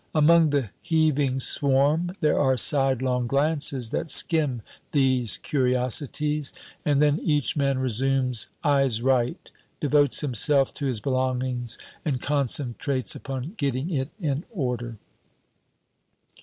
Among the heaving swarm there are sidelong glances that skim these curiosities, and then each man resumes "eyes right," devotes himself to his belongings, and concentrates upon getting it in order.